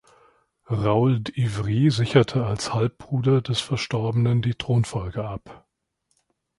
Raoul d’Ivry sicherte als Halbbruder des Verstorbenen die Thronfolge ab.